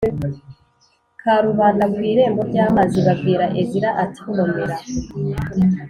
karubanda ku irembo ry amazi babwira Ezira ati komera